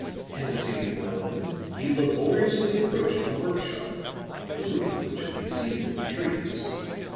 Hesitating for a moment, he laboriously approached the work shop, the roof of which could be seen through the trees.